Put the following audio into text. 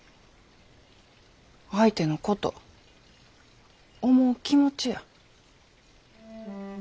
相手のこと思う気持ちや。